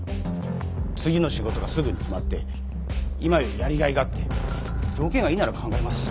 次の仕事がすぐに決まって今よりやりがいがあって条件がいいなら考えます。